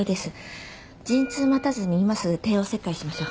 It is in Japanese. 陣痛待たずに今すぐ帝王切開しましょう。